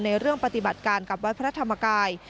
เรื่องปฏิบัติการกับวัดพระธรรมกาย